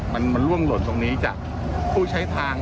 มันล่วงหล่นตรงนี้จากผู้ใช้ทาง